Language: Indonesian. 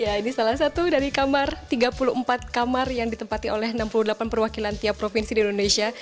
ya ini salah satu dari kamar tiga puluh empat kamar yang ditempati oleh enam puluh delapan perwakilan tiap provinsi di indonesia